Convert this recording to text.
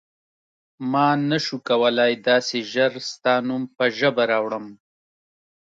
ما نه شو کولای داسې ژر ستا نوم په ژبه راوړم.